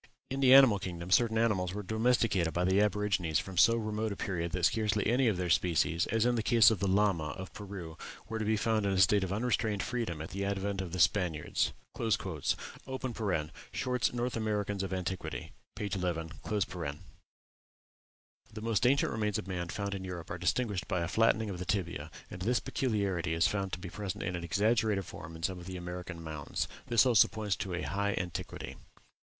In the animal kingdom certain animals were domesticated by the aborigines from so remote a period that scarcely any of their species, as in the case of the lama of Peru, were to be found in a state of unrestrained freedom at the advent of the Spaniards." (Short's "North Americans of Antiquity," p. 11.) The most ancient remains of man found in Europe are distinguished by a flattening of the tibia; and this peculiarity is found to be present in an exaggerated form in some of the American mounds. This also points to a high antiquity.